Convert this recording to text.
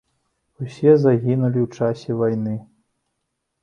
Усе загінулі ў часе вайны.